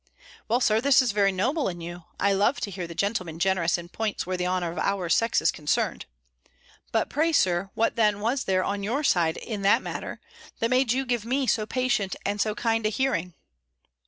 "Well, Sir, this is very noble in you. I love to hear the gentlemen generous in points where the honour of our sex is concerned. But pray. Sir, what then was there on your side, in that matter, that made you give me so patient and so kind a hearing?"